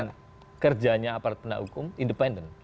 dan kerjanya aparat penegak hukum independen